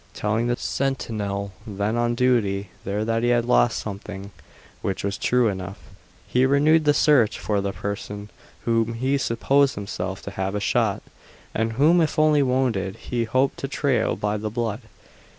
Telling the sentinel then on duty there that he had lost something, which was true enough he renewed the search for the person whom he supposed himself to have shot, and whom if only wounded he hoped to trail by the blood.